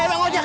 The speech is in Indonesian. eh bang wajah